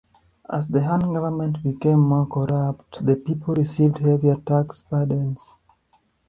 As the Han government became more corrupt, the people received heavier tax burdens.